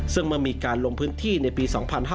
ซึ่งมันมีการลงพื้นที่ในปี๒๕๖๑